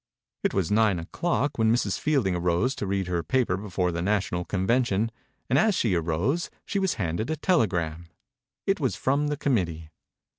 It was nine o'clock when Mrs. Fielding arose to read her paper before the national convention, and as she arose she was handed a telegram. It was from the committee.